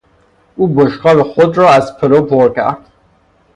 او بشقاب خود را از پلو پر کرد.